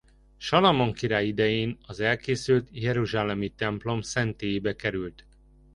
Salamon király idején az elkészült jeruzsálemi templom szentélyébe került.